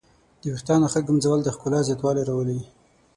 د ویښتانو ښه ږمنځول د ښکلا زیاتوالی راولي.